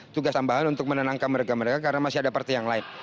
tugas tambahan untuk menenangkan mereka mereka karena masih ada partai yang lain